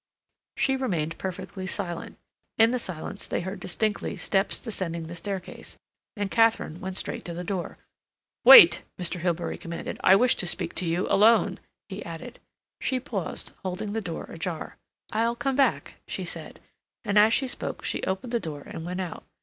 She remained perfectly silent. In the silence they heard distinctly steps descending the staircase, and Katharine went straight to the door. "Wait," Mr. Hilbery commanded. "I wish to speak to you—alone," he added. She paused, holding the door ajar. "I'll come back," she said, and as she spoke she opened the door and went out.